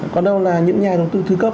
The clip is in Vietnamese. còn đâu là những nhà đầu tư thư cấp